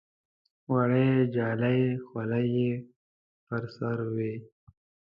وړې جالۍ خولۍ یې پر سر وې.